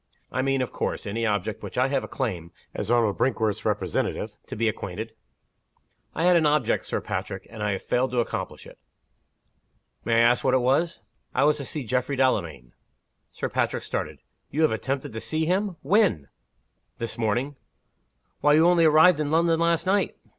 I mean, of course, any object with which I have a claim (as Arnold Brinkworth's representative) to be acquainted?" "I had an object, Sir Patrick. And I have failed to accomplish it." "May I ask what it was?" "It was to see Geoffrey Delamayn." Sir Patrick started. "You have attempted to see him! When?" "This morning." "Why, you only arrived in London last night!"